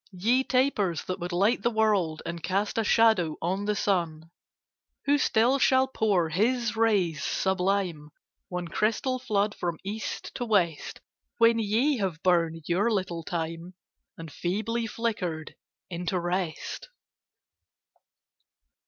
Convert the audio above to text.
Ye tapers, that would light the world, And cast a shadow on the Sun— Who still shall pour His rays sublime, One crystal flood, from East to West, When ye have burned your little time And feebly flickered into rest!